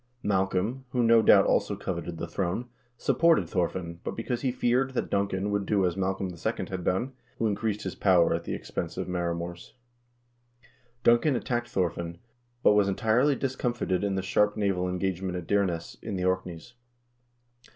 Macbeth, who, no doubt, also coveted the throne, supported Thorfinn, also because he feared that Duncan would do as Malcolm II. had done, who increased his power at the expense of the maor mors. Duncan attacked Thorfinn, but was entirely discomfited in the sharp naval engagement at Dyrness, in the Orkneys.